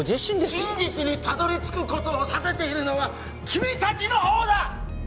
真実にたどり着くことを避けているのは君達の方だ！